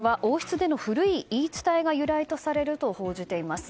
これは王室での古い言い伝えが由来とされると報じています。